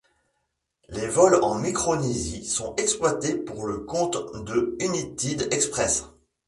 Les vols en Micronésie sont exploités pour le compte de United Express.